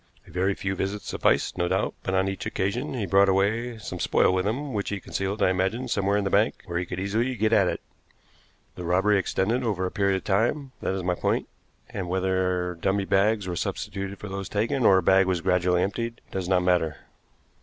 A very few visits sufficed, no doubt; but on each occasion he brought away some spoil with him, which he concealed, I imagine, somewhere in the bank, where he could easily get at it. The robbery extended over a period of time, that is my point, and whether dummy bags were substituted for those taken, or a bag was gradually emptied, does not matter."